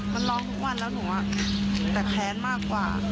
มันร้องทุกวันแล้วหนูแต่แค้นมากกว่า